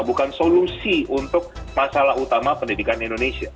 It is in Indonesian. bukan solusi untuk masalah utama pendidikan indonesia